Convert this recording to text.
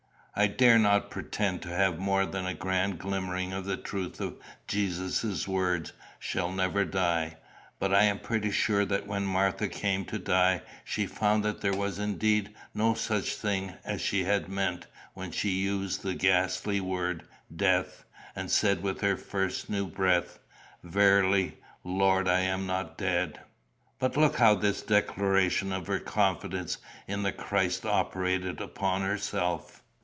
"I dare not pretend to have more than a grand glimmering of the truth of Jesus' words 'shall never die;' but I am pretty sure that when Martha came to die, she found that there was indeed no such thing as she had meant when she used the ghastly word death, and said with her first new breath, 'Verily, Lord, I am not dead.' "But look how this declaration of her confidence in the Christ operated upon herself.